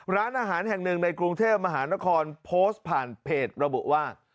ร้านอาหารแห่งหนึ่งในกรุงเทพมหานครโพสต์ผ่านเพจระบุว่า